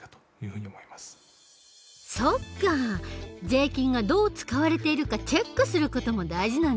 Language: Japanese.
税金がどう使われているかチェックする事も大事なんだね。